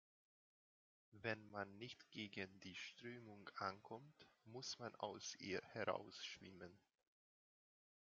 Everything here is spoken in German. Wenn man nicht gegen die Strömung ankommt, muss man aus ihr heraus schwimmen.